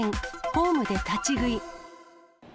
ホームで立ち食い。